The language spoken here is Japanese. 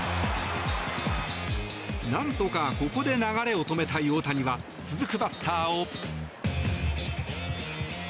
なんとかここで流れを止めたい大谷は、続くバッターを。